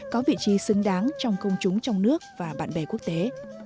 có vị trí xứng đáng trong công chúng trong nước và bạn bè quốc tế